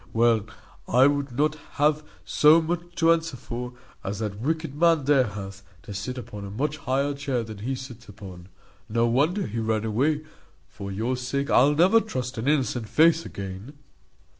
Well, I would not have so much to answer for, as that wicked man there hath, to sit upon a much higher chair than he sits upon. No wonder he ran away; for your sake I'll never trust an innocent face again."